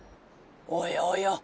およおよ。